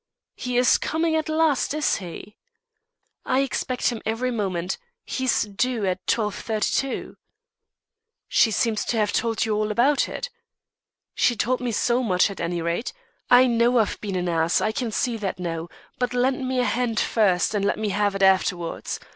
"He is coming at last, is he?" "I expect him every moment; he's due at 12.32." "She seems to have told you all about it." "She told me so much, at any rate. I know I've been an ass, I can see that now, but lend me a hand first, and let me have it afterwards.